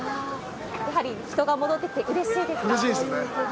やはり人が戻ってきてうれしいですか？